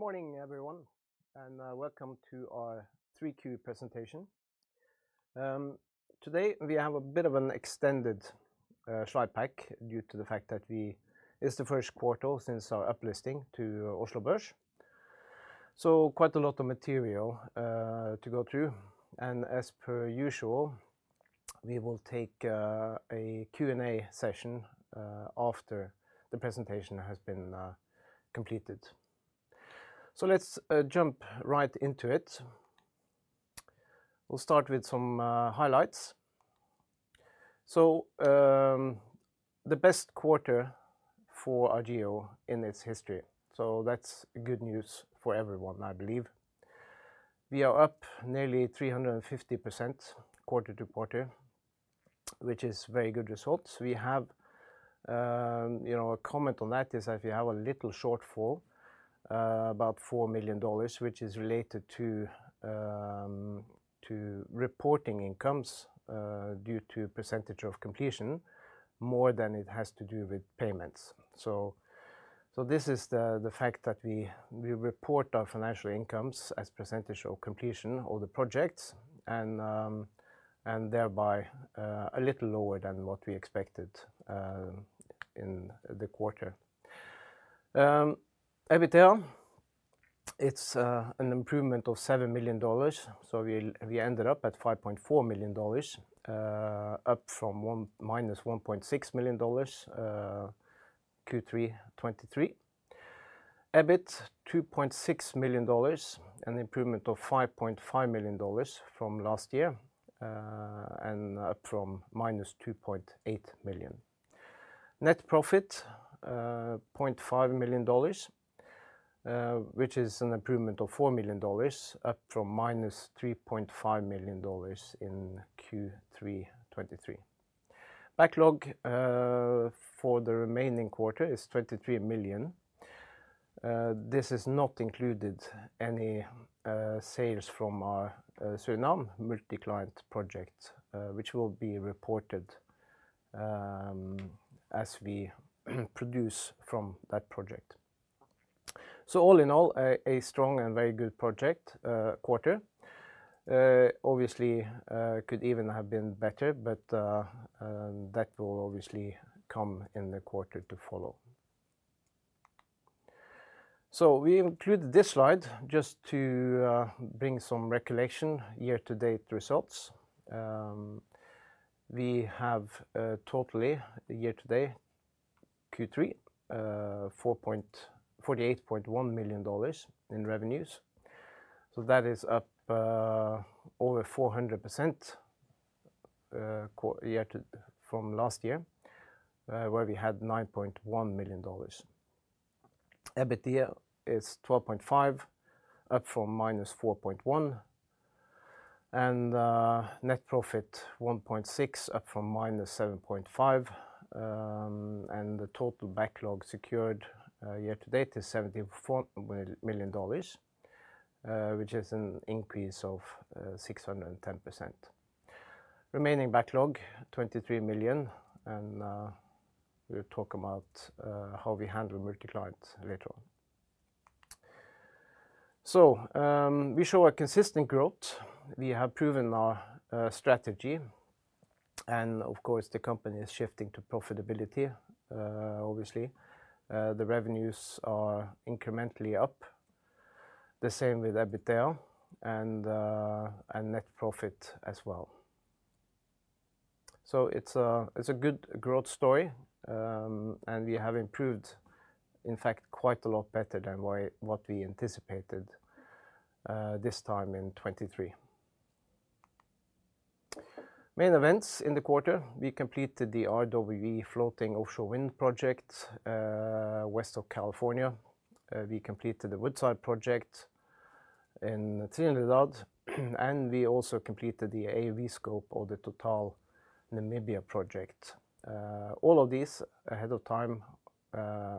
Good morning, everyone, and welcome to our 3Q presentation. Today we have a bit of an extended slide pack due to the fact that it is the first quarter since our uplisting to Oslo Børs. So, quite a lot of material to go through, and as per usual, we will take a Q&A session after the presentation has been completed. So let's jump right into it. We'll start with some highlights. So, the best quarter for Argeo in its history. So that's good news for everyone, I believe. We are up nearly 350% quarter to quarter, which is very good results. We have, you know, a comment on that is that we have a little shortfall, about $4 million, which is related to reporting incomes due to the percentage of completion more than it has to do with payments. This is the fact that we report our financial incomes as a percentage of completion of the projects, and thereby a little lower than what we expected in the quarter. EBITDA. It's an improvement of $7 million, so we ended up at $5.4 million, up from -$1.6 million Q3 2023. EBIT, $2.6 million, an improvement of $5.5 million from last year, and up from -$2.8 million. Net profit, $0.5 million, which is an improvement of $4 million, up from -$3.5 million in Q3 2023. Backlog for the remaining quarter is $23 million. This has not included any sales from our Suriname multi-client project, which will be reported as we produce from that project. All in all, a strong and very good quarter. Obviously, it could even have been better, but that will obviously come in the quarter to follow. We included this slide just to bring some recollection of year-to-date results. We have total, year-to-date Q3, $48.1 million in revenues. That is up over 400% from last year, where we had $9.1 million. EBITDA is $12.5 million, up from -$4.1 million. Net profit $1.6 million, up from -$7.5 million. The total backlog secured year-to-date is $74 million, which is an increase of 610%. Remaining backlog, $23 million, and we'll talk about how we handle multi-client later on. We show a consistent growth. We have proven our strategy, and of course, the company is shifting to profitability, obviously. The revenues are incrementally up. The same with EBITDA and net profit as well. It's a good growth story, and we have improved, in fact, quite a lot better than what we anticipated this time in 2023. Main events in the quarter: we completed the RWE floating offshore wind project west of California. We completed the Woodside project in Trinidad, and we also completed the AUV scope of the Total Namibia project. All of these ahead of time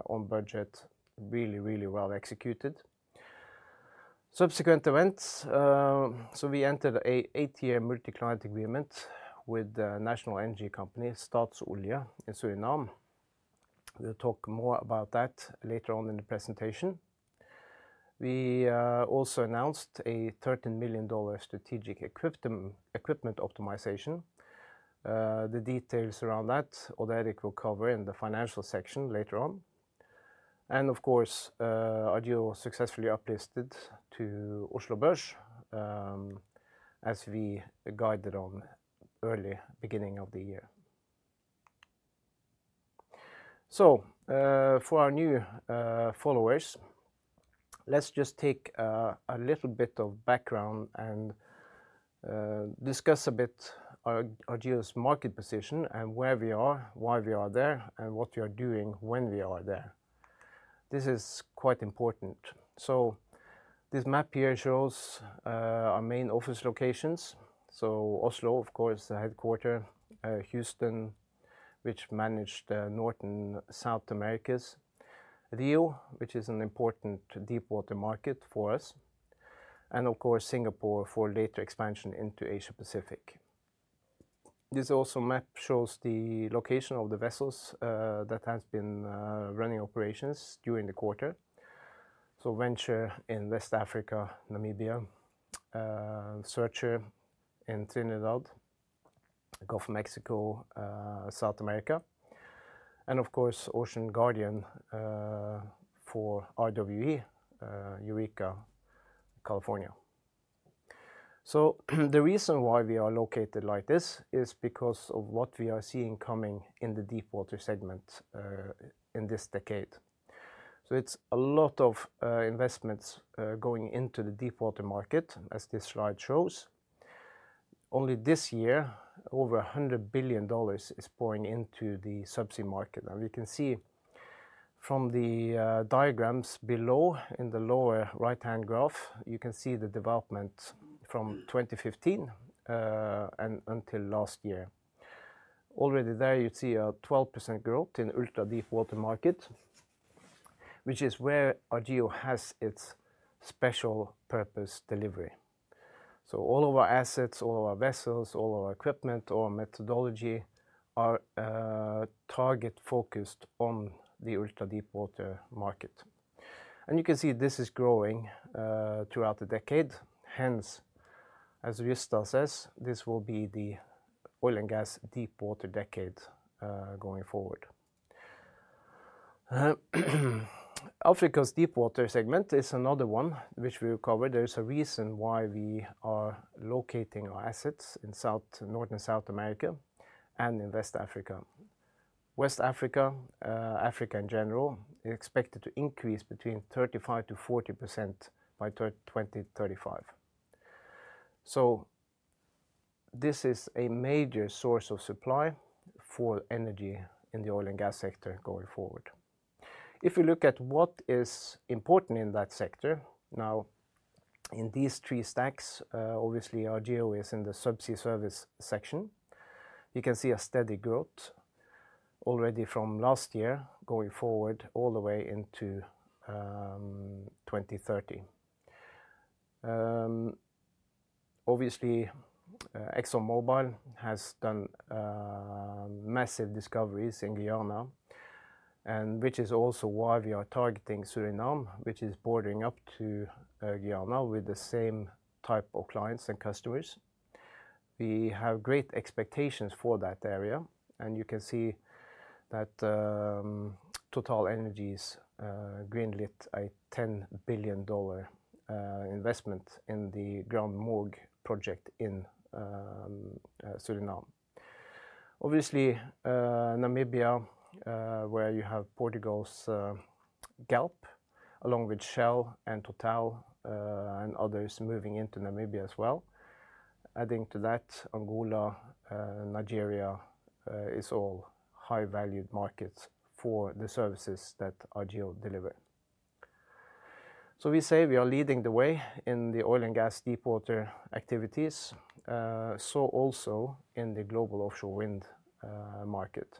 on budget, really, really well executed. Subsequent events: so we entered an eight-year multi-client agreement with the national energy company Staatsolie in Suriname. We'll talk more about that later on in the presentation. We also announced a $13 million strategic equipment optimization. The details around that, Odd Erik will cover in the financial section later on. And of course, Argeo successfully uplisted to Oslo Børs, as we guided on early beginning of the year. For our new followers, let's just take a little bit of background and discuss a bit Argeo's market position and where we are, why we are there, and what we are doing when we are there. This is quite important. This map here shows our main office locations. Oslo, of course, the headquarters; Houston, which managed North and South Americas; Rio, which is an important deep-water market for us; and of course, Singapore for later expansion into Asia-Pacific. This map also shows the location of the vessels that have been running operations during the quarter. Venture in West Africa, Namibia; Searcher in Trinidad; Gulf of Mexico, South America; and of course, Ocean Guardian for RWE, Eureka, California. The reason why we are located like this is because of what we are seeing coming in the deep-water segment in this decade. So it's a lot of investments going into the deep-water market, as this slide shows. Only this year, over $100 billion is pouring into the subsea market. And we can see from the diagrams below, in the lower right-hand graph, you can see the development from 2015 until last year. Already there, you'd see a 12% growth in the ultra-deep-water market, which is where Argeo has its special purpose delivery. So all of our assets, all of our vessels, all of our equipment, all our methodology are target-focused on the ultra-deep-water market. And you can see this is growing throughout the decade. Hence, as Rystad says, this will be the oil and gas deep-water decade going forward. Africa's deep-water segment is another one which we will cover. There is a reason why we are locating our assets in North and South America and in West Africa. West Africa, Africa in general, is expected to increase between 35%-40% by 2035. So this is a major source of supply for energy in the oil and gas sector going forward. If we look at what is important in that sector, now, in these three stacks, obviously, Argeo is in the subsea service section. You can see a steady growth already from last year going forward all the way into 2030. Obviously, ExxonMobil has done massive discoveries in Guyana, which is also why we are targeting Suriname, which is bordering up to Guyana with the same type of clients and customers. We have great expectations for that area, and you can see that TotalEnergies greenlit a $10 billion investment in the GranMorgu project in Suriname. Obviously, Namibia, where you have Portugal's Galp, along with Shell and Total and others moving into Namibia as well. Adding to that, Angola, Nigeria is all high-valued markets for the services that Argeo delivers. So we say we are leading the way in the oil and gas deep-water activities, so also in the global offshore wind market.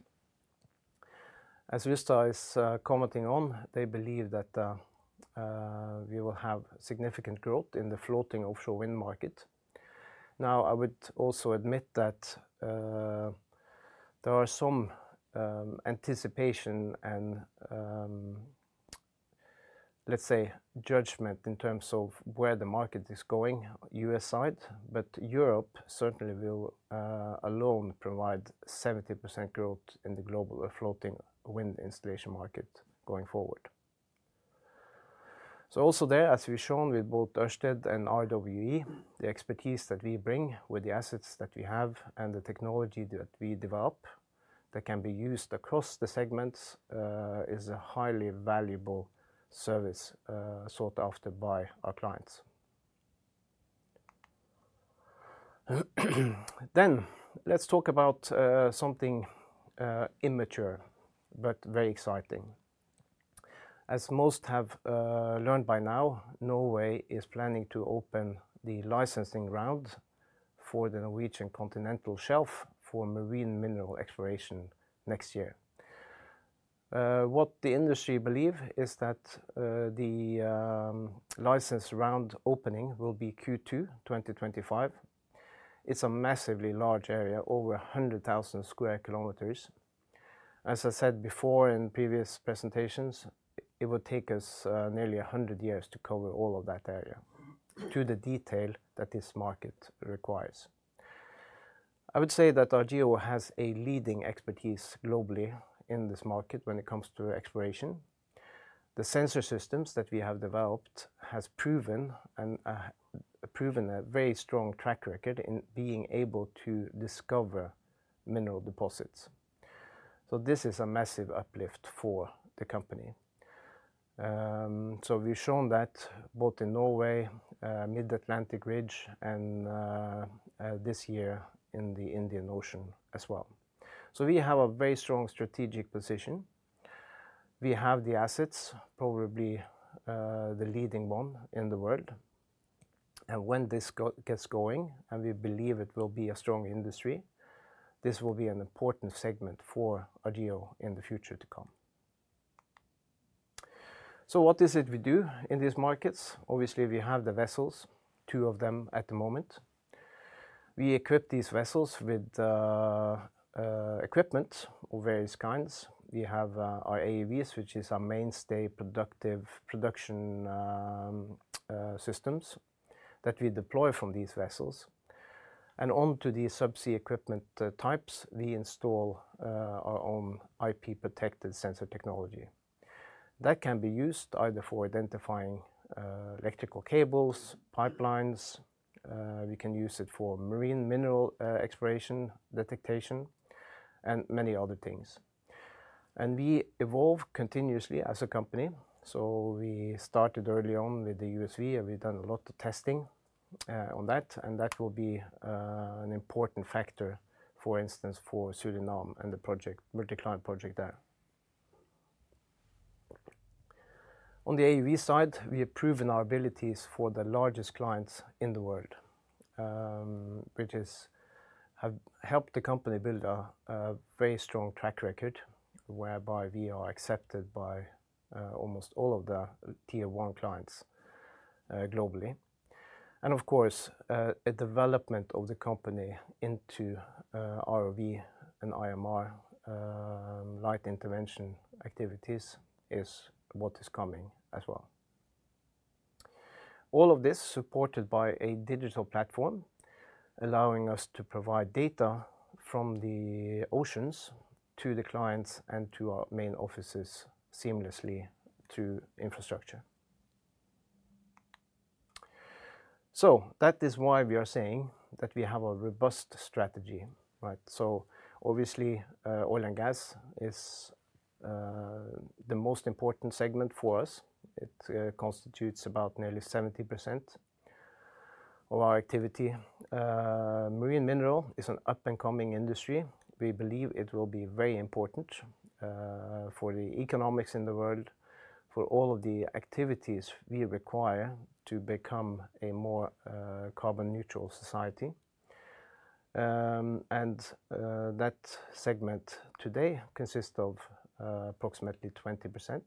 As Rystad is commenting on, they believe that we will have significant growth in the floating offshore wind market. Now, I would also admit that there are some anticipation and, let's say, judgment in terms of where the market is going U.S.-side, but Europe certainly will alone provide 70% growth in the global floating wind installation market going forward. So also there, as we've shown with both Ørsted and RWE, the expertise that we bring with the assets that we have and the technology that we develop that can be used across the segments is a highly valuable service sought after by our clients. Then let's talk about something immature but very exciting. As most have learned by now, Norway is planning to open the licensing round for the Norwegian Continental Shelf for marine mineral exploration next year. What the industry believes is that the license round opening will be Q2 2025. It's a massively large area, over 100,000 square kilometers. As I said before in previous presentations, it would take us nearly 100 years to cover all of that area to the detail that this market requires. I would say that Argeo has a leading expertise globally in this market when it comes to exploration. The sensor systems that we have developed have proven a very strong track record in being able to discover mineral deposits. So this is a massive uplift for the company. So we've shown that both in Norway, Mid-Atlantic Ridge, and this year in the Indian Ocean as well. So we have a very strong strategic position. We have the assets, probably the leading one in the world. And when this gets going, and we believe it will be a strong industry, this will be an important segment for Argeo in the future to come. So what is it we do in these markets? Obviously, we have the vessels, two of them at the moment. We equip these vessels with equipment of various kinds. We have our AUVs, which are our mainstay production systems that we deploy from these vessels. And onto these subsea equipment types, we install our own IP-protected sensor technology. That can be used either for identifying electrical cables, pipelines. We can use it for marine mineral exploration detection and many other things. And we evolve continuously as a company. We started early on with the USV, and we've done a lot of testing on that, and that will be an important factor, for instance, for Suriname and the multi-client project there. On the AUV side, we have proven our abilities for the largest clients in the world, which has helped the company build a very strong track record whereby we are accepted by almost all of the Tier 1 clients globally. Of course, a development of the company into ROV and IMR light intervention activities is what is coming as well. All of this is supported by a digital platform allowing us to provide data from the oceans to the clients and to our main offices seamlessly through infrastructure. That is why we are saying that we have a robust strategy. Obviously, oil and gas is the most important segment for us. It constitutes about nearly 70% of our activity. Marine mineral is an up-and-coming industry. We believe it will be very important for the economics in the world, for all of the activities we require to become a more carbon-neutral society, and that segment today consists of approximately 20%.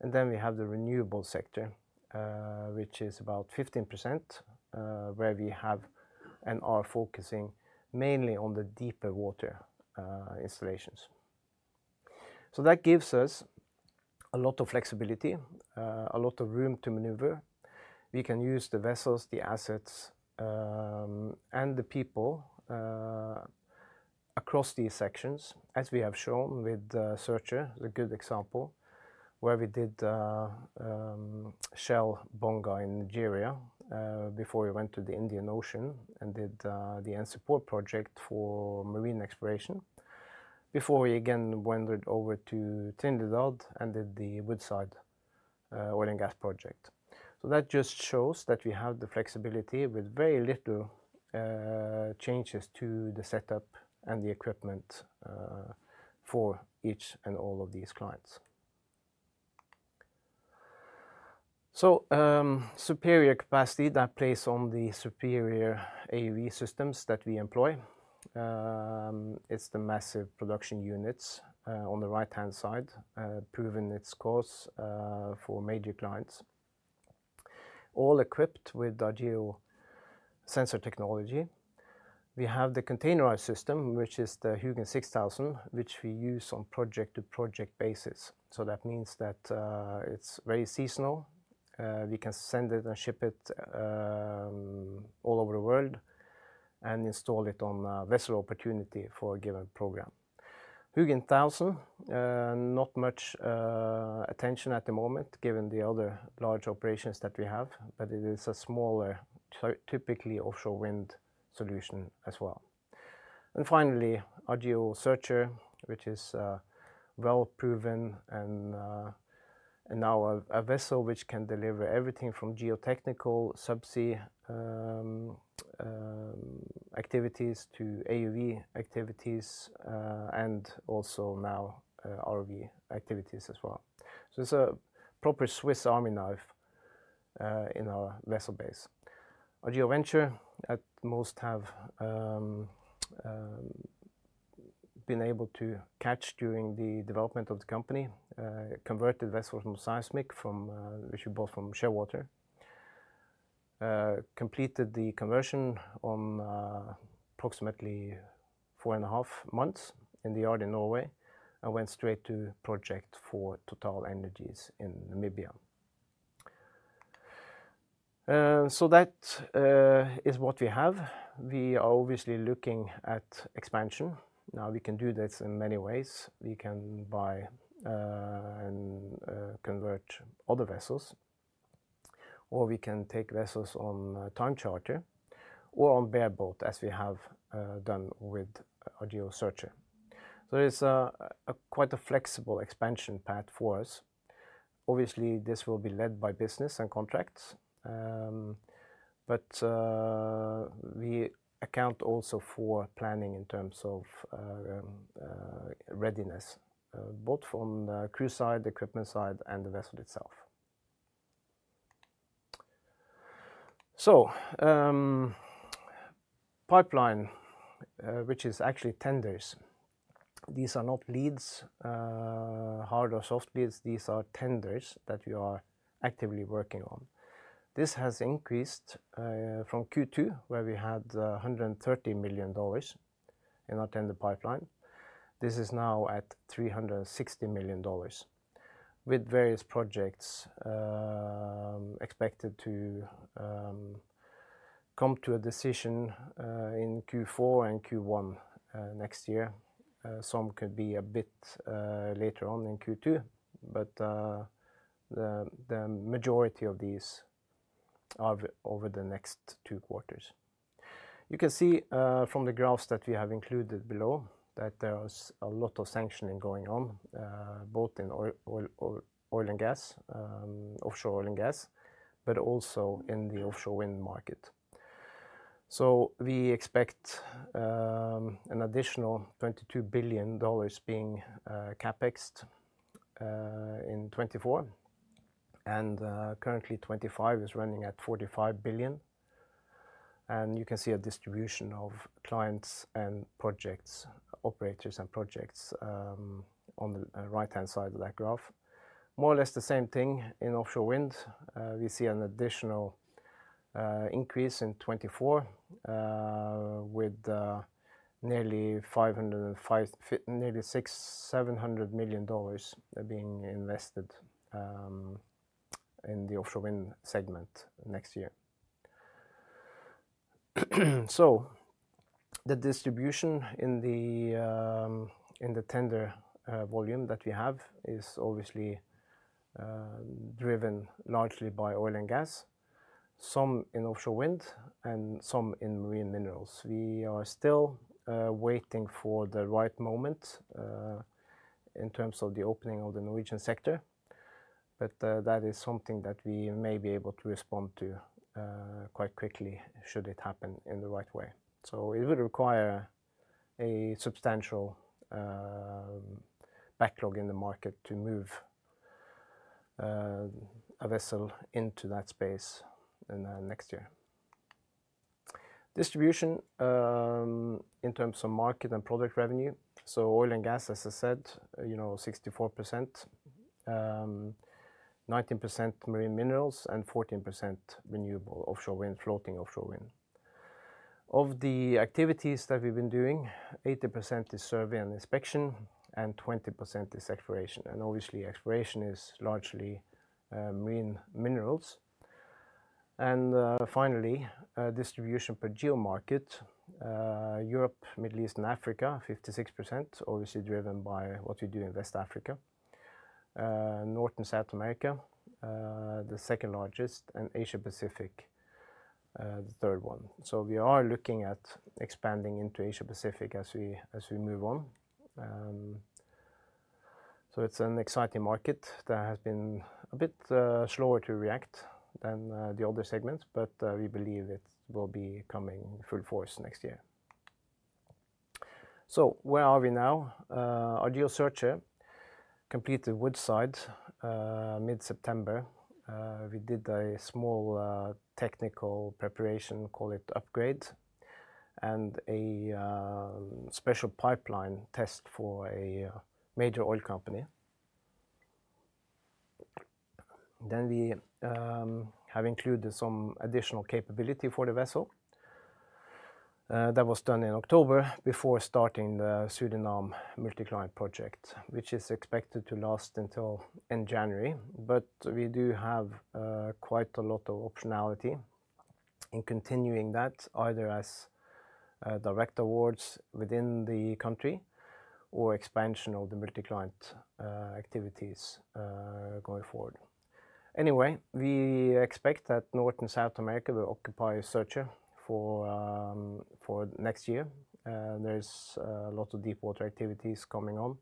Then we have the renewable sector, which is about 15%, where we have and are focusing mainly on the deeper water installations, so that gives us a lot of flexibility, a lot of room to maneuver. We can use the vessels, the assets, and the people across these sections, as we have shown with Searcher, a good example, where we did Shell Bonga in Nigeria before we went to the Indian Ocean and did the NCPOR project for marine exploration, before we again wandered over to Trinidad and did the Woodside oil and gas project. So that just shows that we have the flexibility with very little changes to the setup and the equipment for each and all of these clients. So superior capacity that plays on the superior AUV systems that we employ. It's the massive production units on the right-hand side, proving its cause for major clients. All equipped with Argeo sensor technology. We have the containerized system, which is the Hugin 6000, which we use on project-to-project basis. So that means that it's very seasonal. We can send it and ship it all over the world and install it on vessel opportunity for a given program. Hugin 1000, not much attention at the moment given the other large operations that we have, but it is a smaller, typically offshore wind solution as well. And finally, Argeo Searcher, which is well proven and now a vessel which can deliver everything from geotechnical subsea activities to AUV activities and also now ROV activities as well. So it's a proper Swiss army knife in our vessel base. Argeo Venture, at most, have been able to catch during the development of the company converted vessels from seismic, which we bought from Shearwater. Completed the conversion on approximately four and a half months in the yard in Norway and went straight to project for TotalEnergies in Namibia. So that is what we have. We are obviously looking at expansion. Now, we can do this in many ways. We can buy and convert other vessels, or we can take vessels on time charter or on bareboat, as we have done with Argeo Searcher. So there is quite a flexible expansion path for us. Obviously, this will be led by business and contracts, but we account also for planning in terms of readiness, both from the crew side, equipment side, and the vessel itself. So pipeline, which is actually tenders. These are not leads, hard or soft leads. These are tenders that we are actively working on. This has increased from Q2, where we had $130 million in our tender pipeline. This is now at $360 million with various projects expected to come to a decision in Q4 and Q1 next year. Some could be a bit later on in Q2, but the majority of these are over the next two quarters. You can see from the graphs that we have included below that there is a lot of sanctioning going on, both in oil and gas, offshore oil and gas, but also in the offshore wind market. We expect an additional $22 billion being CapExed in 2024, and currently 2025 is running at $45 billion. You can see a distribution of clients and projects, operators and projects on the right-hand side of that graph. More or less the same thing in offshore wind. We see an additional increase in 2024 with nearly $700 million being invested in the offshore wind segment next year. The distribution in the tender volume that we have is obviously driven largely by oil and gas, some in offshore wind and some in marine minerals. We are still waiting for the right moment in terms of the opening of the Norwegian sector, but that is something that we may be able to respond to quite quickly should it happen in the right way. So it would require a substantial backlog in the market to move a vessel into that space next year. Distribution in terms of market and product revenue. So oil and gas, as I said, 64%, 19% marine minerals, and 14% renewable offshore wind, floating offshore wind. Of the activities that we've been doing, 80% is survey and inspection and 20% is exploration. And obviously, exploration is largely marine minerals. And finally, distribution per geo market, Europe, Middle East, and Africa, 56%, obviously driven by what we do in West Africa, North and South America, the second largest, and Asia-Pacific, the third one. So we are looking at expanding into Asia-Pacific as we move on. So it's an exciting market that has been a bit slower to react than the other segments, but we believe it will be coming full force next year. So where are we now? Argeo Searcher completed Woodside mid-September. We did a small technical preparation, call it upgrade, and a special pipeline test for a major oil company. Then we have included some additional capability for the vessel. That was done in October before starting the Suriname multi-client project, which is expected to last until end January. But we do have quite a lot of optionality in continuing that, either as direct awards within the country or expansion of the multi-client activities going forward. Anyway, we expect that North and South America will occupy Searcher for next year. There's a lot of deep-water activities coming on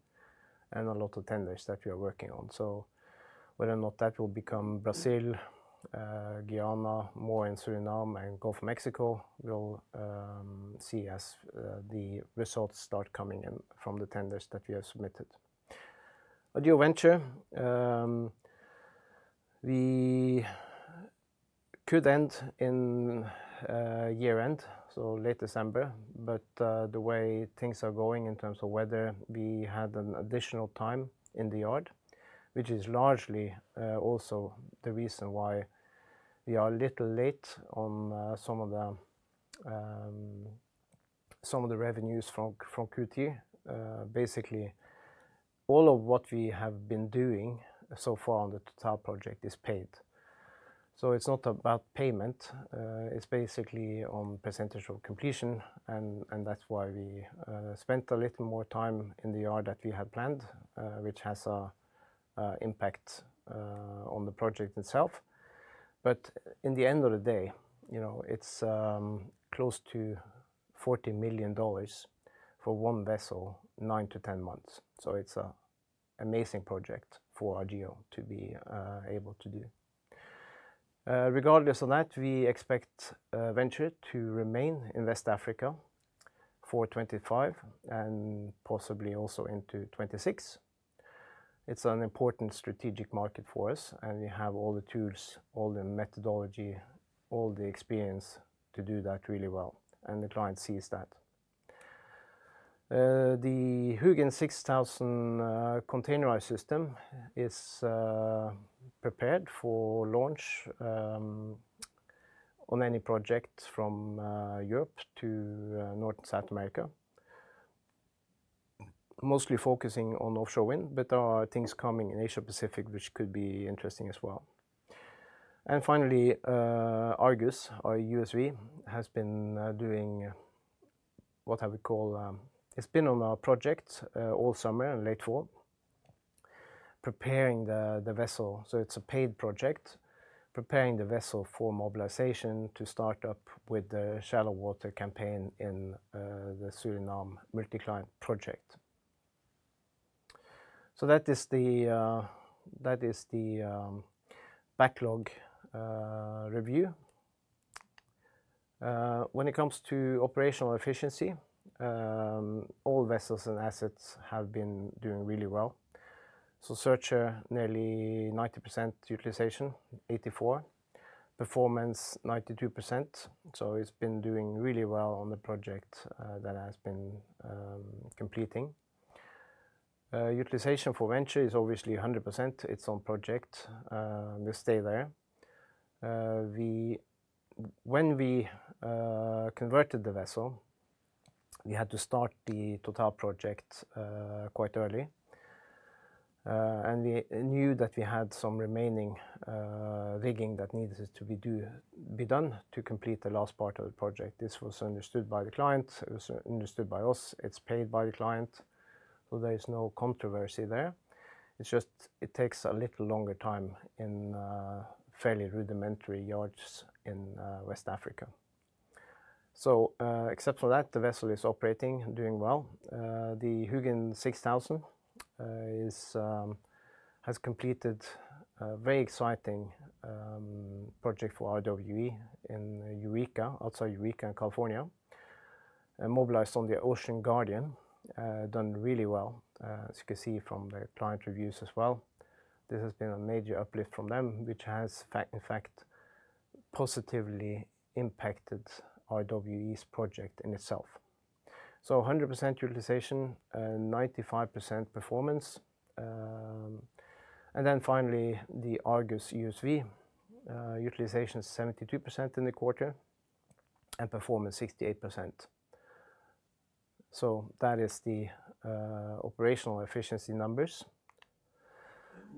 and a lot of tenders that we are working on. So whether or not that will become Brazil, Guyana, more in Suriname, and Gulf of Mexico, we'll see as the results start coming in from the tenders that we have submitted. Argeo Venture, we could end in year-end, so late December, but the way things are going in terms of weather, we had an additional time in the yard, which is largely also the reason why we are a little late on some of the revenues from Q2. Basically, all of what we have been doing so far on the total project is paid. So it's not about payment. It's basically on percentage of completion, and that's why we spent a little more time in the yard that we had planned, which has an impact on the project itself. But in the end of the day, it's close to $40 million for one vessel, 9 months-10 months. So it's an amazing project for Argeo to be able to do. Regardless of that, we expect Venture to remain in West Africa for 2025 and possibly also into 2026. It's an important strategic market for us, and we have all the tools, all the methodology, all the experience to do that really well, and the client sees that. The Hugin 6000 containerized system is prepared for launch on any project from Europe to North and South America, mostly focusing on offshore wind, but there are things coming in Asia-Pacific which could be interesting as well. And finally, Argus, our USV, has been doing what we call, it's been on our project all summer and late fall, preparing the vessel. So it's a paid project, preparing the vessel for mobilization to start up with the shallow water campaign in the Suriname multi-client project. So that is the backlog review. When it comes to operational efficiency, all vessels and assets have been doing really well. So Searcher, nearly 90% utilization, 84%. Performance, 92%. It's been doing really well on the project that has been completing. Utilization for Venture is obviously 100%. It's on project. We'll stay there. When we converted the vessel, we had to start the total project quite early, and we knew that we had some remaining rigging that needed to be done to complete the last part of the project. This was understood by the client. It was understood by us. It's paid by the client. So there is no controversy there. It's just it takes a little longer time in fairly rudimentary yards in West Africa. So except for that, the vessel is operating, doing well. The Hugin 6000 has completed a very exciting project for RWE in Eureka, outside Eureka in California, mobilized on the Ocean Guardian, done really well, as you can see from the client reviews as well. This has been a major uplift from them, which has, in fact, positively impacted RWE's project in itself, so 100% utilization, 95% performance, and then finally, the Argus USV, utilization is 72% in the quarter and performance 68%. So that is the operational efficiency numbers.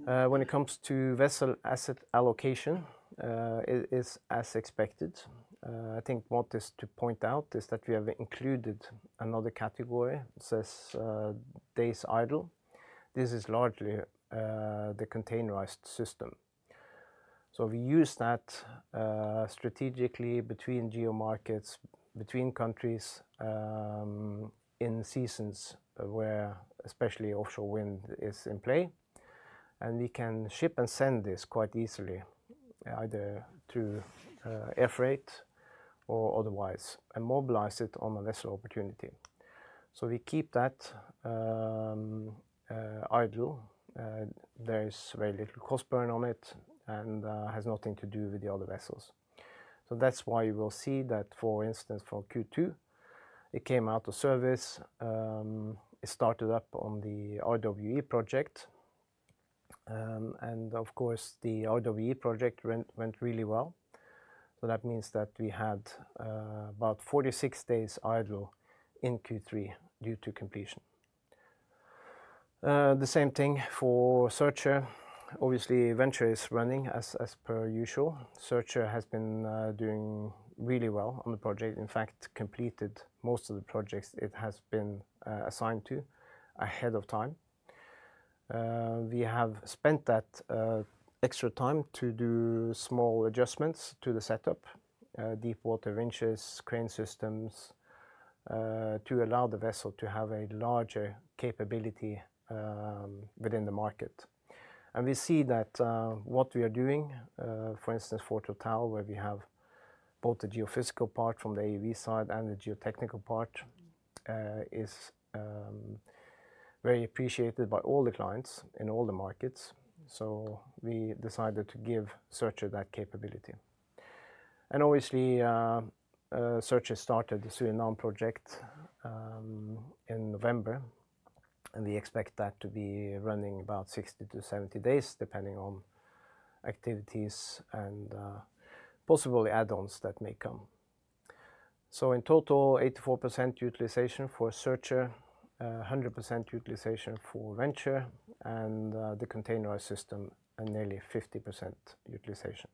When it comes to vessel asset allocation, it is as expected. I think what is to point out is that we have included another category. It says days idle. This is largely the containerized system, so we use that strategically between geo markets, between countries in seasons where especially offshore wind is in play, and we can ship and send this quite easily, either through air freight or otherwise, and mobilize it on a vessel opportunity, so we keep that idle. There is very little cost burn on it and has nothing to do with the other vessels. So that's why you will see that, for instance, for Q2, it came out of service. It started up on the RWE project. And of course, the RWE project went really well. So that means that we had about 46 days idle in Q3 due to completion. The same thing for Searcher. Obviously, Venture is running as per usual. Searcher has been doing really well on the project. In fact, completed most of the projects it has been assigned to ahead of time. We have spent that extra time to do small adjustments to the setup, deep water winches, crane systems, to allow the vessel to have a larger capability within the market. We see that what we are doing, for instance, for Total, where we have both the geophysical part from the AUV side and the geotechnical part, is very appreciated by all the clients in all the markets. So we decided to give Searcher that capability. And obviously, Searcher started the Suriname project in November, and we expect that to be running about 60-70 days, depending on activities and possibly add-ons that may come. So in total, 84% utilization for Searcher, 100% utilization for Venture, and the containerized system and nearly 50% utilization.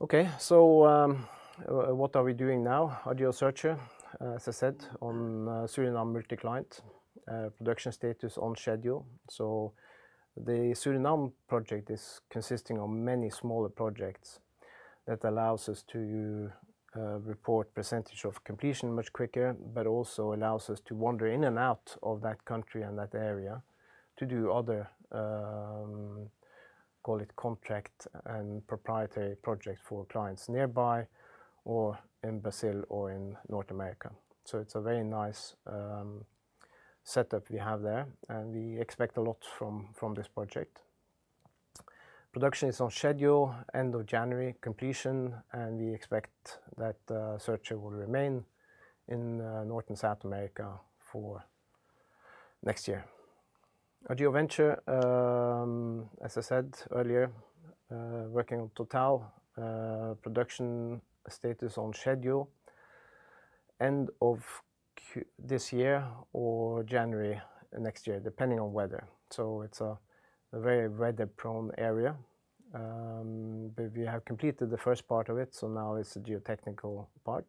Okay, so what are we doing now? Argeo Searcher, as I said, on Suriname multi-client, production status on schedule. The Suriname project consists of many smaller projects that allow us to report percentage of completion much quicker, but also allows us to wander in and out of that country and that area to do other, call it, contract and proprietary projects for clients nearby or in Brazil or in North America. It's a very nice setup we have there, and we expect a lot from this project. Production is on schedule, end of January completion, and we expect that Searcher will remain in North and South America for next year. Argeo Venture, as I said earlier, working on Total production status on schedule, end of this year or January next year, depending on weather. It's a very weather-prone area, but we have completed the first part of it, so now it's a geotechnical part.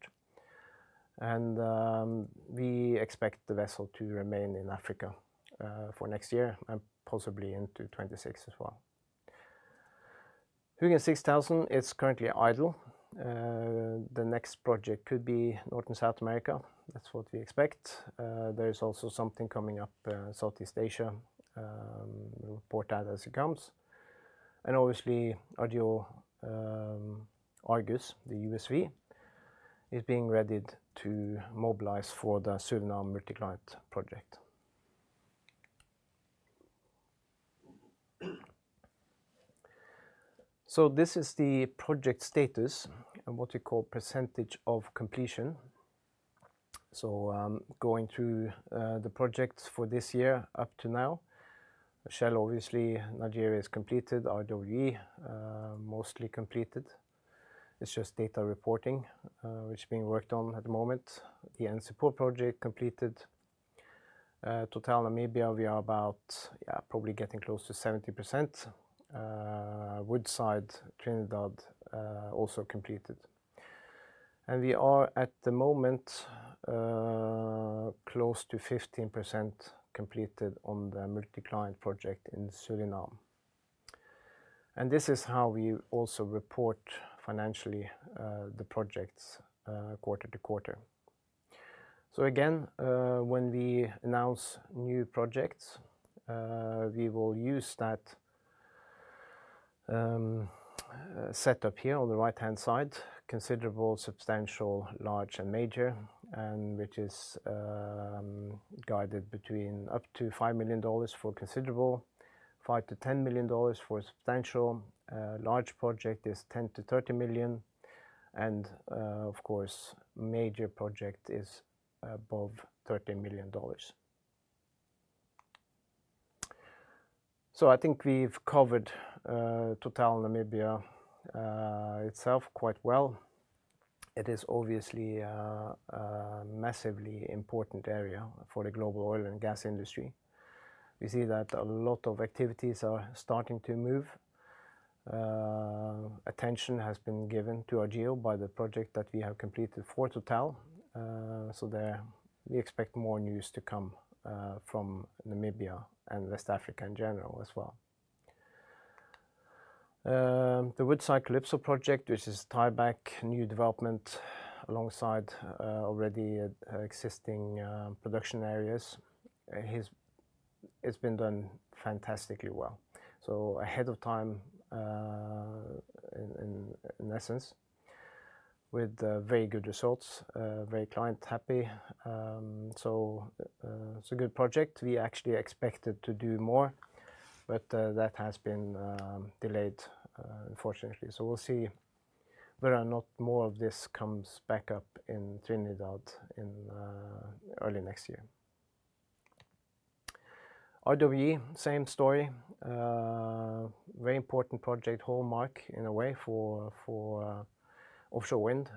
We expect the vessel to remain in Africa for next year and possibly into 2026 as well. Hugin 6000 is currently idle. The next project could be North and South America. That's what we expect. There is also something coming up in Southeast Asia. We'll report that as it comes. And obviously, Argeo Argus, the USV, is being readied to mobilize for the Suriname multi-client project. This is the project status and what we call percentage of completion. Going through the projects for this year up to now, Shell obviously, Nigeria is completed, RWE mostly completed. It's just data reporting, which is being worked on at the moment. NCPOR Project completed. Total Namibia, we are about, yeah, probably getting close to 70%. Woodside, Trinidad also completed. We are at the moment close to 15% completed on the multi-client project in Suriname. This is how we also report financially the projects quarter to quarter. So again, when we announce new projects, we will use that setup here on the right-hand side, considerable, substantial, large, and major, which is guided between up to $5 million for considerable, $5 million-$10 million for substantial. Large project is $10 million-$30 million. And of course, major project is above $30 million. So I think we've covered Total Namibia itself quite well. It is obviously a massively important area for the global oil and gas industry. We see that a lot of activities are starting to move. Attention has been given to Argeo by the project that we have completed for Total. So we expect more news to come from Namibia and West Africa in general as well. The Woodside Calypso project, which is a tieback new development alongside already existing production areas, it's been done fantastically well, so ahead of time in essence, with very good results, very client happy, so it's a good project. We actually expected to do more, but that has been delayed, unfortunately, so we'll see whether or not more of this comes back up in Trinidad in early next year. RWE, same story. Very important project, hallmark in a way for offshore wind.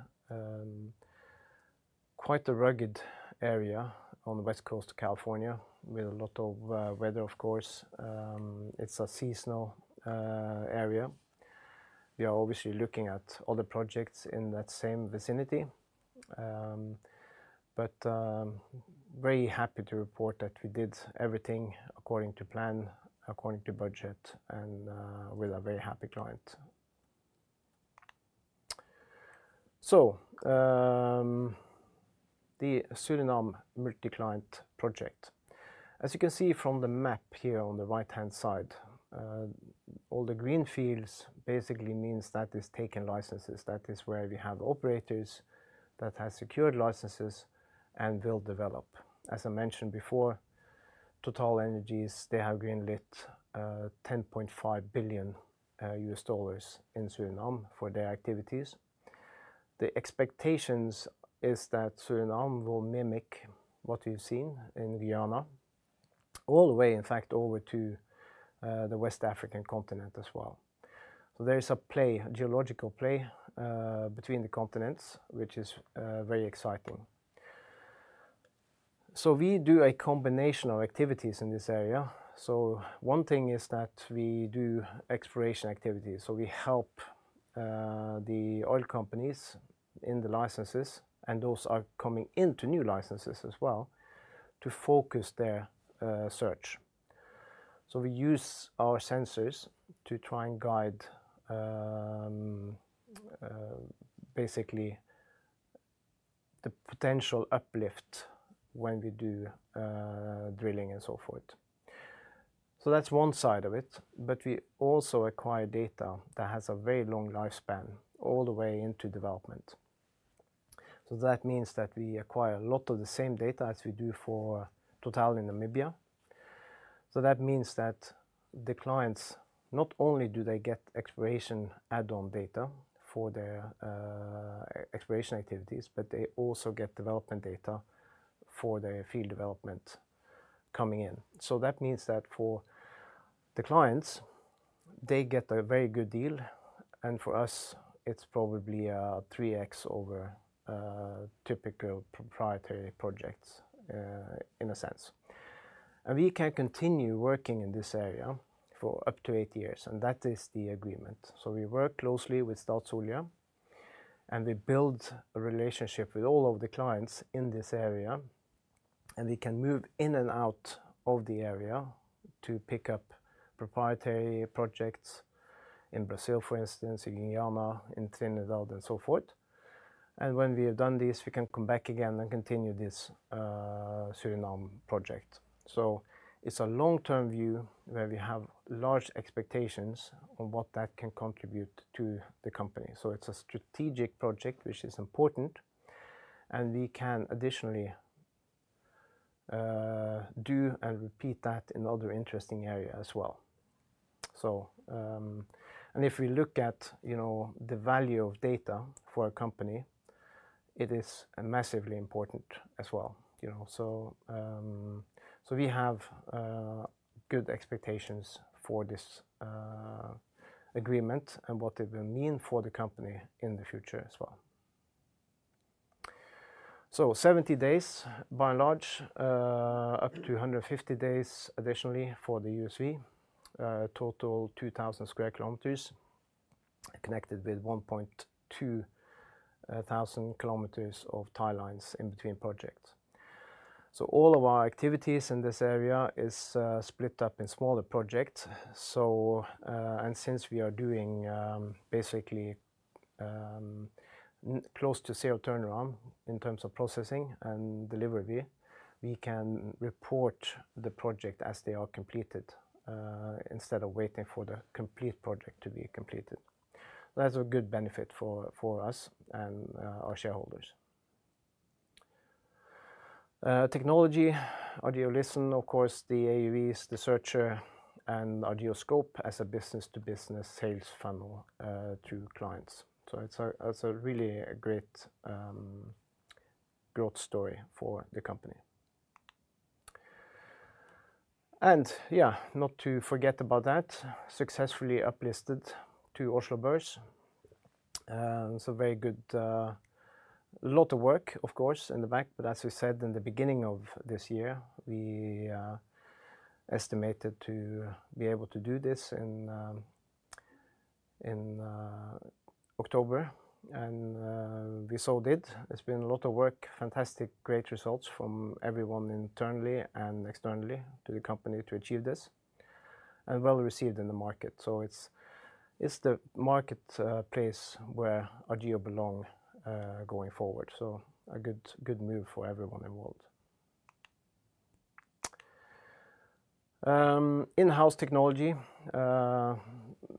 Quite a rugged area on the West Coast of California with a lot of weather, of course. It's a seasonal area. We are obviously looking at other projects in that same vicinity, but very happy to report that we did everything according to plan, according to budget, and with a very happy client, so the Suriname multi-client project. As you can see from the map here on the right-hand side, all the green fields basically means that is taken licenses. That is where we have operators that have secured licenses and will develop. As I mentioned before, TotalEnergies, they have greenlit $10.5 billion in Suriname for their activities. The expectation is that Suriname will mimic what we've seen in Guyana, all the way, in fact, over to the West African continent as well. So there is a play, a geological play between the continents, which is very exciting, so we do a combination of activities in this area, so one thing is that we do exploration activities, so we help the oil companies in the licenses, and those are coming into new licenses as well to focus their search. So we use our sensors to try and guide basically the potential uplift when we do drilling and so forth. So that's one side of it. But we also acquire data that has a very long lifespan all the way into development. So that means that we acquire a lot of the same data as we do for Total Namibia. So that means that the clients, not only do they get exploration add-on data for their exploration activities, but they also get development data for their field development coming in. So that means that for the clients, they get a very good deal. And for us, it's probably a 3x over typical proprietary projects in a sense. And we can continue working in this area for up to eight years. And that is the agreement. We work closely with Staatsolie, and we build a relationship with all of the clients in this area. And we can move in and out of the area to pick up proprietary projects in Brazil, for instance, in Guyana, in Trinidad, and so forth. And when we have done this, we can come back again and continue this Suriname project. So it's a long-term view where we have large expectations on what that can contribute to the company. So it's a strategic project, which is important. And we can additionally do and repeat that in other interesting areas as well. And if we look at the value of data for a company, it is massively important as well. So we have good expectations for this agreement and what it will mean for the company in the future as well. So 70 days by and large, up to 150 days additionally for the USV, total 2,000 square kilometers, connected with 1,200 kilometers of tie lines in between projects. So all of our activities in this area is split up in smaller projects. And since we are doing basically close to zero turnaround in terms of processing and delivery, we can report the project as they are completed instead of waiting for the complete project to be completed. That's a good benefit for us and our shareholders. Technology, Argeo Listen, of course, the AUVs, the Searcher, and Argeo Scope as a business-to-business sales funnel to clients. So it's a really great growth story for the company. And yeah, not to forget about that, successfully uplisted to Oslo Børs. So very good, a lot of work, of course, in the back. But as we said in the beginning of this year, we estimated to be able to do this in October, and we so did. It's been a lot of work, fantastic, great results from everyone internally and externally to the company to achieve this and well received in the market. It's the marketplace where Argeo belong going forward. It's a good move for everyone involved. In-house technology,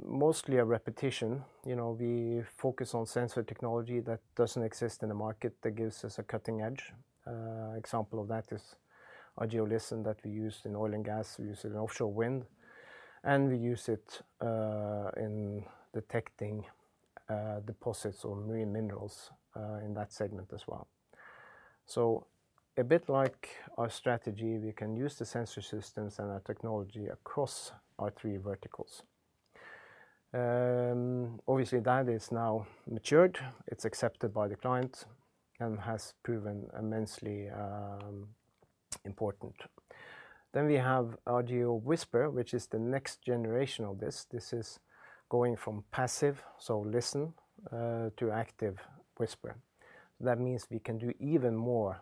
mostly a repetition. We focus on sensor technology that doesn't exist in the market that gives us a cutting edge. Example of that is Argeo Listen that we use in oil and gas. We use it in offshore wind, and we use it in detecting deposits or marine minerals in that segment as well. A bit like our strategy, we can use the sensor systems and our technology across our three verticals. Obviously, that is now matured. It's accepted by the client and has proven immensely important. Then we have Argeo Whisper, which is the next generation of this. This is going from passive, so listen, to active whisper. That means we can do even more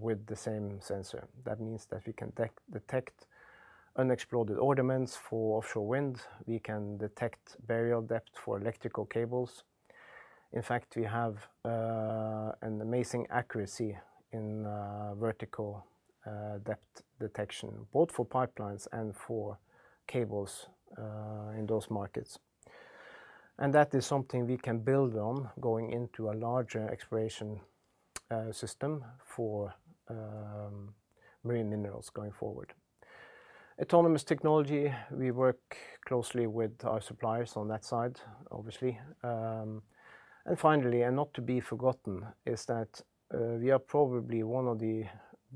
with the same sensor. That means that we can detect unexploded ordnance for offshore wind. We can detect burial depth for electrical cables. In fact, we have an amazing accuracy in vertical depth detection, both for pipelines and for cables in those markets. And that is something we can build on going into a larger exploration system for marine minerals going forward. Autonomous technology, we work closely with our suppliers on that side, obviously. And finally, and not to be forgotten, is that we are probably one of the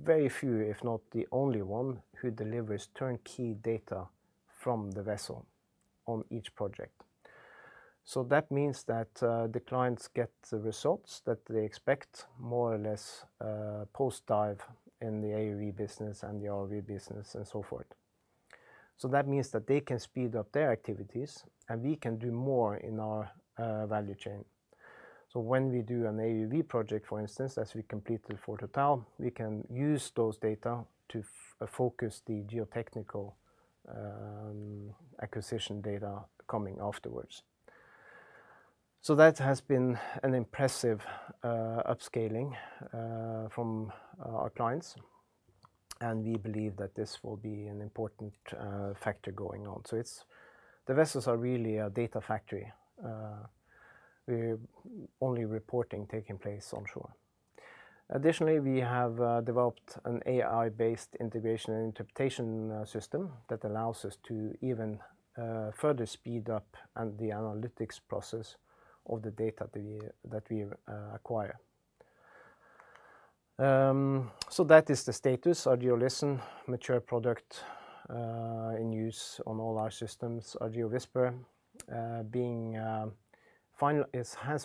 very few, if not the only one who delivers turnkey data from the vessel on each project. So that means that the clients get the results that they expect more or less post-dive in the AUV business and the ROV business and so forth. So that means that they can speed up their activities, and we can do more in our value chain. So when we do an AUV project, for instance, as we completed for Total, we can use those data to focus the geotechnical acquisition data coming afterwards. So that has been an impressive upscaling from our clients. And we believe that this will be an important factor going on. So the vessels are really a data factory. We're only processing taking place onshore. Additionally, we have developed an AI-based integration and interpretation system that allows us to even further speed up the analytics process of the data that we acquire. So that is the status. Argeo Listen, mature product in use on all our systems. Argeo Whisper has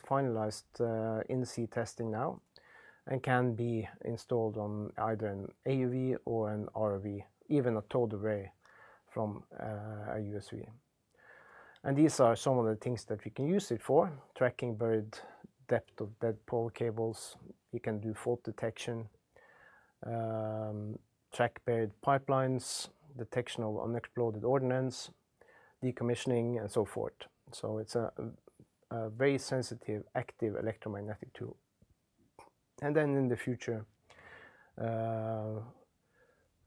finalized in-sea testing now and can be installed on either an AUV or an ROV, even a towed array from a USV. And these are some of the things that we can use it for: tracking buried depth of dead power cables. We can do fault detection, track buried pipelines, detection of unexploded ordnance, decommissioning, and so forth. So it's a very sensitive, active electromagnetic tool. And then in the future,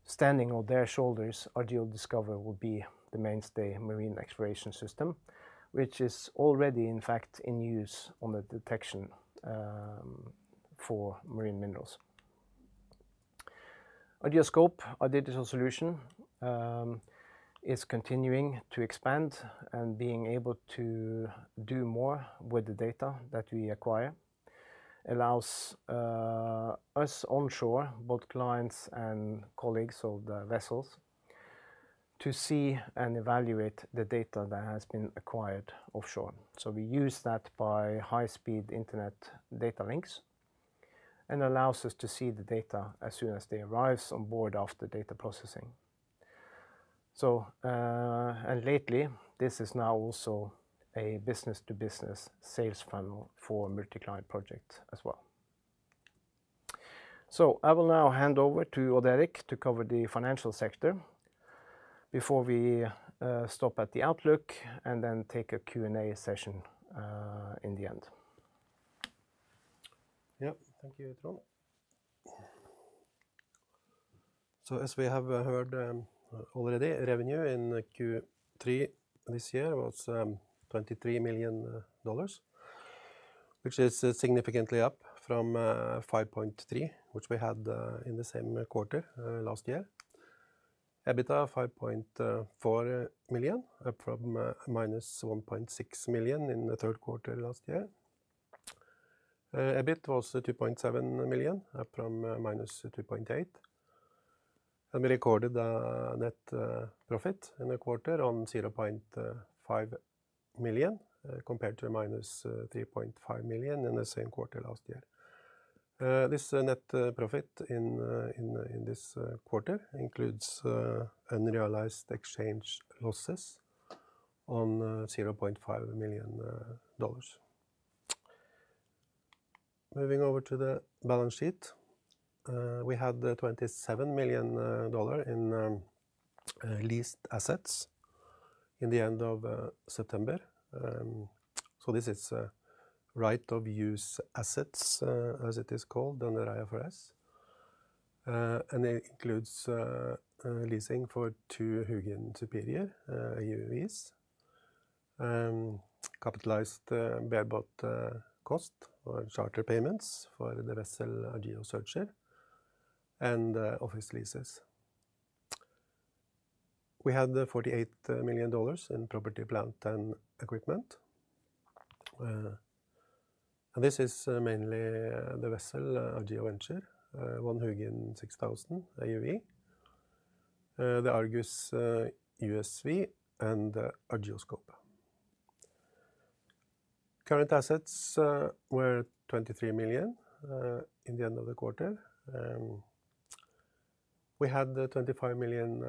standing on their shoulders, Argeo Discover will be the mainstay marine exploration system, which is already, in fact, in use on the detection for marine minerals. Argeo Scope, our digital solution, is continuing to expand and being able to do more with the data that we acquire, allows us onshore, both clients and colleagues of the vessels, to see and evaluate the data that has been acquired offshore. We use that by high-speed internet data links, and allows us to see the data as soon as they arrive on board after data processing. Lately, this is now also a business-to-business sales funnel for multi-client projects as well. I will now hand over to Odd Erik to cover the financial sector before we stop at the outlook and then take a Q&A session in the end. Yep, thank you, Trond. As we have heard already, revenue in Q3 this year was $23 million, which is significantly up from $5.3 million, which we had in the same quarter last year. EBITDA $5.4 million, up from -$1.6 million in the third quarter last year. EBIT was $2.7 million, up from -$2.8 million. And we recorded net profit in the quarter on $0.5 million compared to -$3.5 million in the same quarter last year. This net profit in this quarter includes unrealized exchange losses on $0.5 million. Moving over to the balance sheet, we had $27 million in leased assets in the end of September. So this is right-of-use assets, as it is called under IFRS. And it includes leasing for two Hugin Superior AUVs, capitalized bareboat cost, or charter payments for the vessel Argeo Searcher, and office leases. We had $48 million in property, plant and equipment. And this is mainly the vessel Argeo Venture, one Hugin 6000 AUV, the Argus USV, and the Argeo Scope. Current assets were $23 million in the end of the quarter. We had $25 million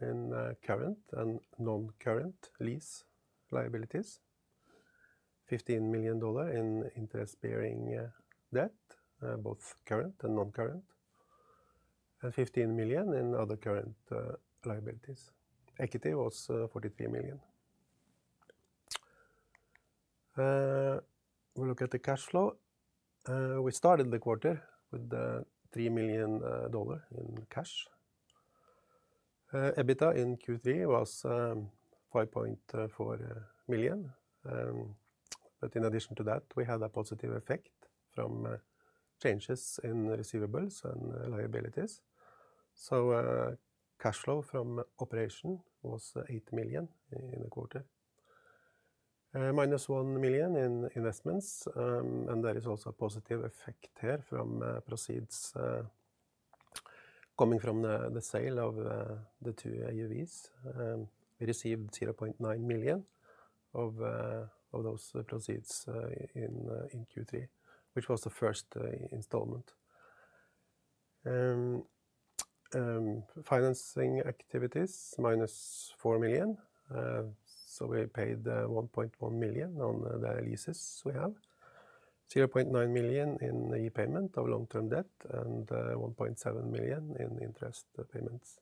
in current and non-current lease liabilities, $15 million in interest-bearing debt, both current and non-current, and $15 million in other current liabilities. Equity was $43 million. We look at the cash flow. We started the quarter with $3 million in cash. EBITDA in Q3 was $5.4 million. But in addition to that, we had a positive effect from changes in receivables and liabilities. So cash flow from operation was $8 million in the quarter, -$1 million in investments. And there is also a positive effect here from proceeds coming from the sale of the two AUVs. We received $0.9 million of those proceeds in Q3, which was the first installment. Financing activities, -$4 million. So we paid $1.1 million on the leases we have, $0.9 million in repayment of long-term debt, and $1.7 million in interest payments.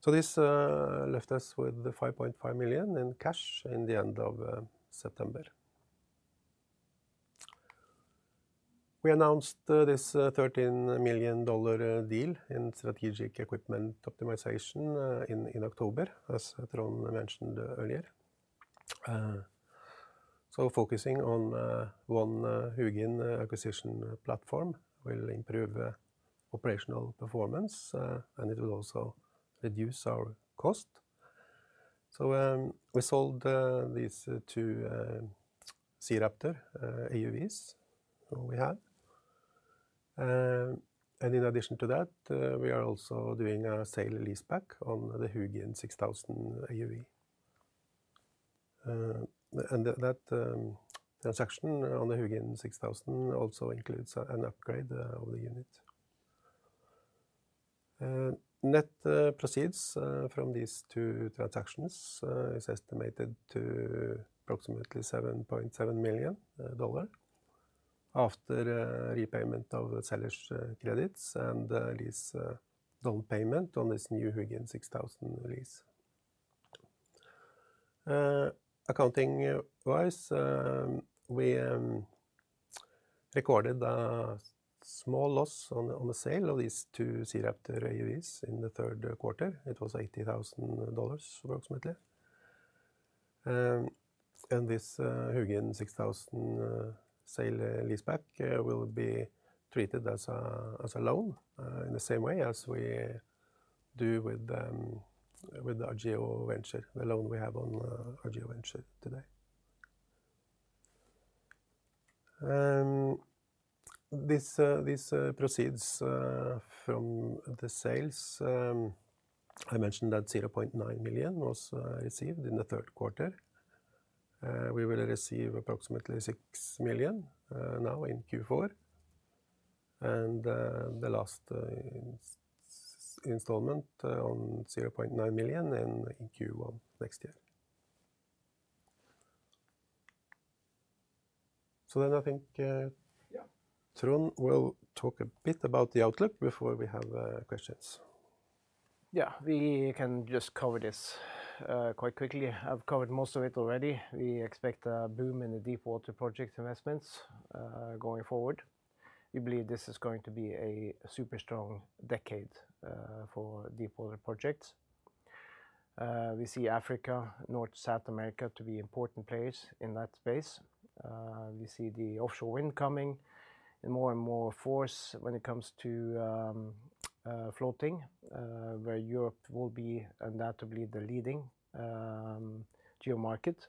So this left us with $5.5 million in cash in the end of September. We announced this $13 million deal in strategic equipment optimization in October, as Trond mentioned earlier. So focusing on one Hugin acquisition platform will improve operational performance, and it will also reduce our cost. So we sold these two SeaRaptor AUVs that we have. And in addition to that, we are also doing a sale-leaseback on the Hugin 6000 AUV. And that transaction on the Hugin 6000 also includes an upgrade of the unit. Net proceeds from these two transactions is estimated to approximately $7.7 million after repayment of seller's credits and lease down payment on this new Hugin 6000 lease. Accounting-wise, we recorded a small loss on the sale of these two SeaRaptor AUVs in the third quarter. It was $80,000 approximately. This Hugin 6000 sale-leaseback will be treated as a loan in the same way as we do with Argeo Venture, the loan we have on Argeo Venture today. These proceeds from the sales, I mentioned that $0.9 million was received in the third quarter. We will receive approximately $6 million now in Q4 and the last installment of $0.9 million in Q1 next year. I think Trond will talk a bit about the outlook before we have questions. Yeah, we can just cover this quite quickly. I've covered most of it already. We expect a boom in the deep-water project investments going forward. We believe this is going to be a super strong decade for deep-water projects. We see Africa, North America, South America to be important players in that space. We see the offshore wind coming in more and more force when it comes to floating, where Europe will be undoubtedly the leading geo market,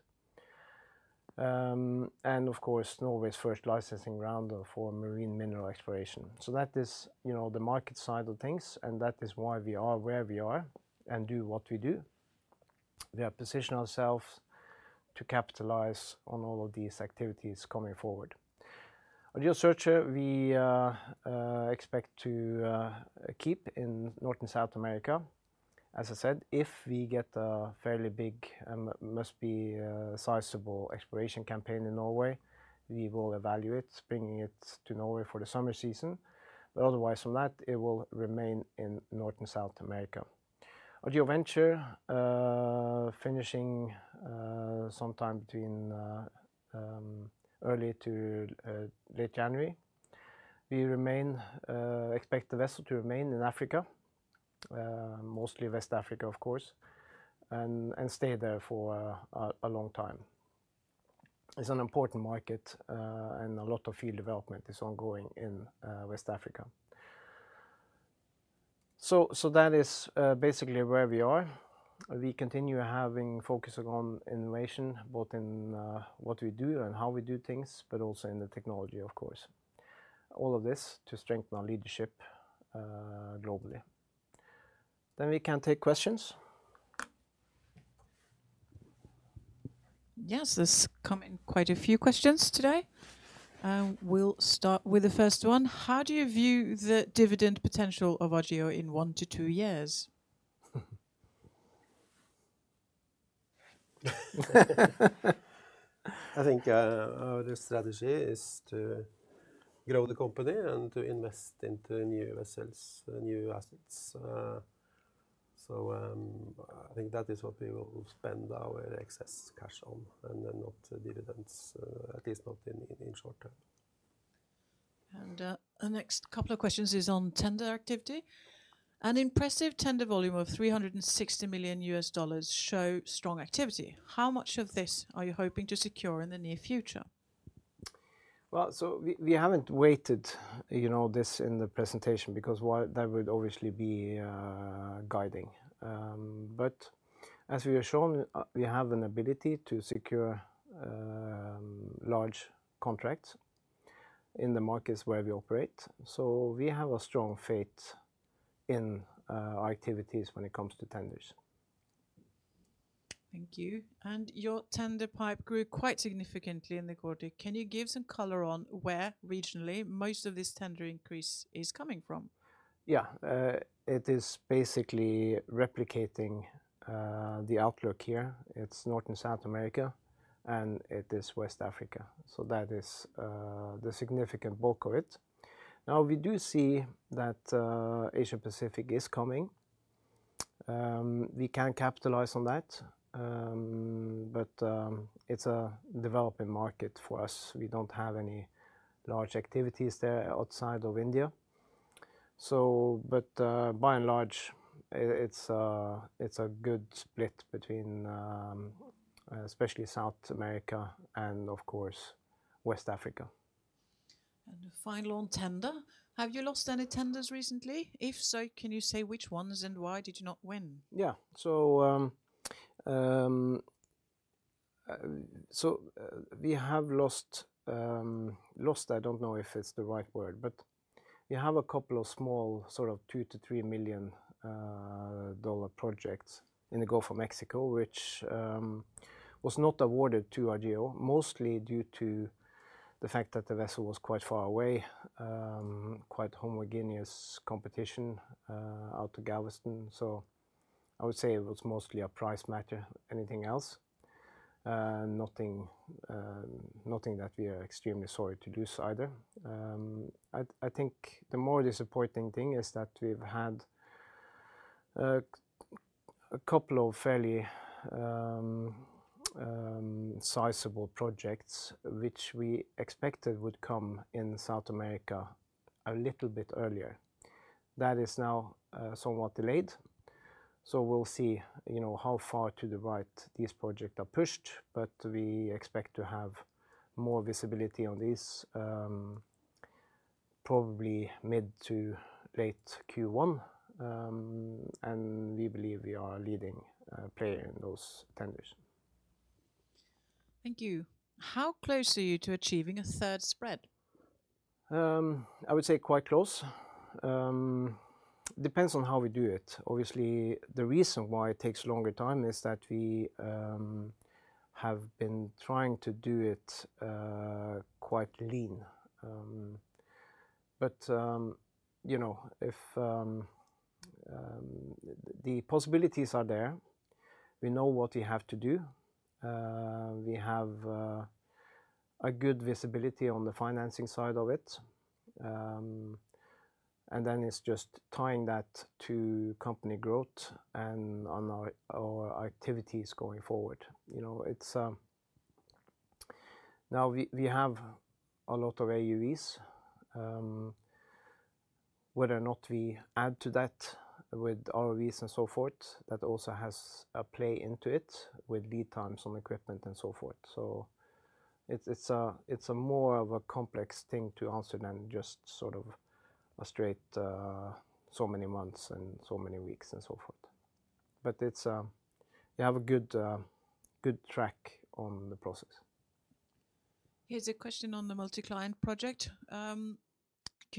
and of course, Norway's first licensing round for marine mineral exploration, so that is the market side of things, and that is why we are where we are and do what we do. We have positioned ourselves to capitalize on all of these activities coming forward. Argeo Searcher, we expect to keep in North and South America. As I said, if we get a fairly big and must be sizable exploration campaign in Norway, we will evaluate bringing it to Norway for the summer season. But otherwise from that, it will remain in North and South America. Argeo Venture, finishing sometime between early to late January. We expect the vessel to remain in Africa, mostly West Africa, of course, and stay there for a long time. It's an important market, and a lot of field development is ongoing in West Africa. So that is basically where we are. We continue having focus on innovation, both in what we do and how we do things, but also in the technology, of course. All of this to strengthen our leadership globally. Then we can take questions. Yes, there's come in quite a few questions today. We'll start with the first one. How do you view the dividend potential of Argeo in one to two years? I think our strategy is to grow the company and to invest into new vessels, new assets. So I think that is what we will spend our excess cash on, and then not dividends, at least not in short term. The next couple of questions are on tender activity. An impressive tender volume of $360 million shows strong activity. How much of this are you hoping to secure in the near future? Well, so we haven't weighed this in the presentation because that would obviously be guiding. But as we are shown, we have an ability to secure large contracts in the markets where we operate. So we have a strong faith in our activities when it comes to tenders. Thank you. Your tender pipeline grew quite significantly in the quarter. Can you give some color on where, regionally, most of this tender increase is coming from? Yeah, it is basically replicating the outlook here. It's North and South America, and it is West Africa. So that is the significant bulk of it. Now, we do see that Asia-Pacific is coming. We can capitalize on that, but it's a developing market for us. We don't have any large activities there outside of India. But by and large, it's a good split between especially South America and, of course, West Africa. Final on tender: Have you lost any tenders recently? If so, can you say which ones and why did you not win? Yeah, so we have lost, I don't know if it's the right word, but we have a couple of small sort of $2 million-$3 million projects in the Gulf of Mexico, which was not awarded to Argeo, mostly due to the fact that the vessel was quite far away, quite homogeneous competition out to Galveston. So I would say it was mostly a price matter. Anything else? Nothing that we are extremely sorry to lose either. I think the more disappointing thing is that we've had a couple of fairly sizable projects which we expected would come in South America a little bit earlier. That is now somewhat delayed. So we'll see how far to the right these projects are pushed, but we expect to have more visibility on these, probably mid to late Q1. And we believe we are a leading player in those tenders. Thank you. How close are you to achieving a third spread? I would say quite close. It depends on how we do it. Obviously, the reason why it takes longer time is that we have been trying to do it quite lean. But if the possibilities are there, we know what we have to do. We have a good visibility on the financing side of it. And then it's just tying that to company growth and on our activities going forward. Now, we have a lot of AUVs. Whether or not we add to that with ROVs and so forth, that also has a play into it with lead times on equipment and so forth. So it's more of a complex thing to answer than just sort of a straight so many months and so many weeks and so forth. But we have a good track on the process. Here's a question on the multi-client project. Can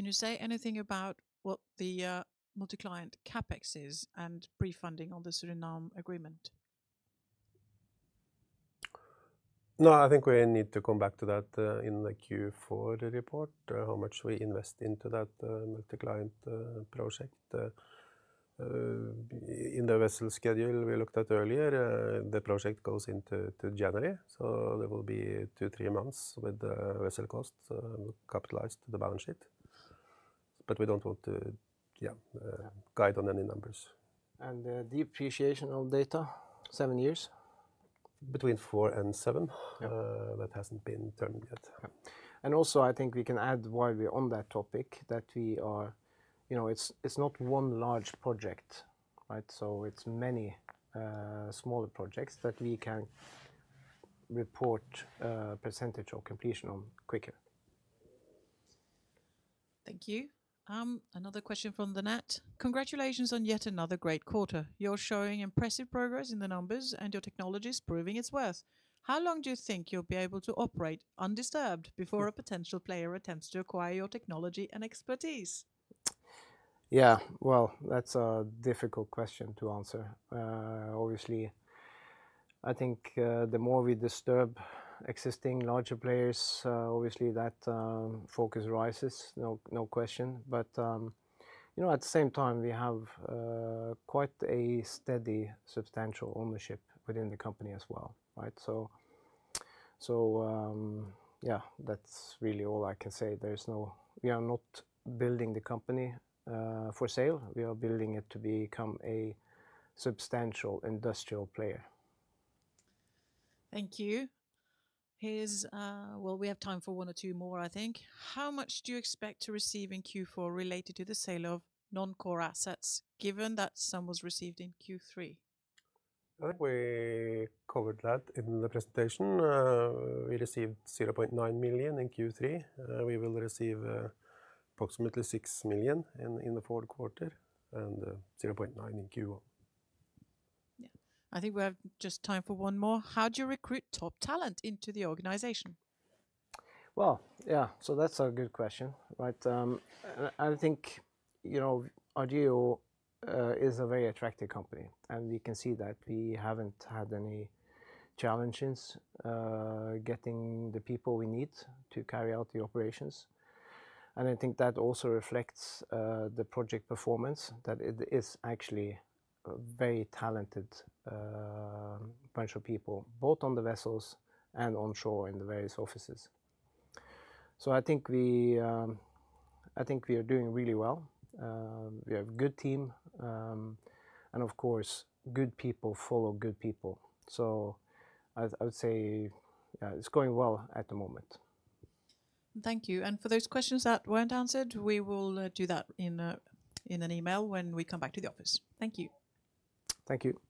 you say anything about what the multi-client CapEx is and pre-funding on the Suriname agreement? No, I think we need to come back to that in the Q4 report, how much we invest into that multi-client project. In the vessel schedule we looked at earlier, the project goes into January. So, there will be two, three months with the vessel cost capitalized to the balance sheet. But we don't want to guide on any numbers, and the depreciation of data, seven years? Between four and seven. That hasn't been turned yet. Also, I think we can add while we're on that topic that we are; it's not one large project, right? So it's many smaller projects that we can report percentage of completion on quicker. Thank you. Another question from the net. Congratulations on yet another great quarter. You're showing impressive progress in the numbers and your technology is proving its worth. How long do you think you'll be able to operate undisturbed before a potential player attempts to acquire your technology and expertise? Yeah, well, that's a difficult question to answer. Obviously, I think the more we disturb existing larger players, obviously that focus rises, no question. But at the same time, we have quite a steady substantial ownership within the company as well, right? So yeah, that's really all I can say. We are not building the company for sale. We are building it to become a substantial industrial player. Thank you. Here's, well, we have time for one or two more, I think. How much do you expect to receive in Q4 related to the sale of non-core assets, given that some was received in Q3? I think we covered that in the presentation. We received $0.9 million in Q3. We will receive approximately $6 million in the fourth quarter and $0.9 million in Q1. Yeah, I think we have just time for one more. How do you recruit top talent into the organization? Well, yeah, so that's a good question, right? I think Argeo is a very attractive company, and we can see that we haven't had any challenges getting the people we need to carry out the operations. And I think that also reflects the project performance, that it is actually a very talented bunch of people, both on the vessels and onshore in the various offices. So I think we are doing really well. We have a good team. And of course, good people follow good people. So I would say, yeah, it's going well at the moment. Thank you. And for those questions that weren't answered, we will do that in an email when we come back to the office. Thank you. Thank you.